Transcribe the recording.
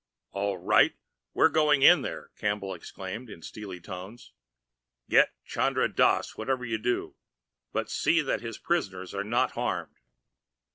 "All right, we're going in there," Campbell exclaimed in steely tones. "Get Chandra Dass, whatever you do, but see that his prisoners are not harmed."